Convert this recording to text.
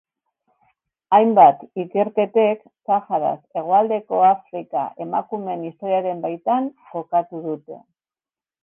Hainbat ikerketek Saharaz hegoaldeko Afrika emakumeen historiaren baitan kokatu dute.